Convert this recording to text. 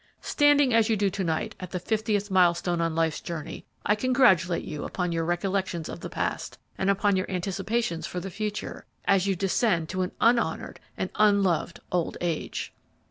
Standing, as you do to night, at the fiftieth milestone on life's journey, I congratulate you upon your recollections of the past, and upon your anticipations for the future, as you descend to an unhonored and unloved old age!'